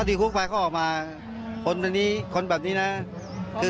ปฏิบัติกับคนอื่นอีกทำไม่ครับ